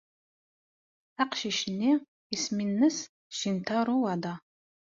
Aqcic-nni isem-nnes Shintaro Wada.